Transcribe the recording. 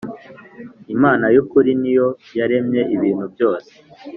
Imana y’ukuri ni yo yaremye ibintu byose